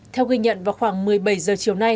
theo ghi nhận vào khoảng một mươi bảy h chiều nay